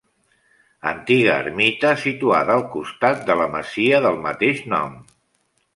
Antiga ermita situada al costat de la masia del mateix nom.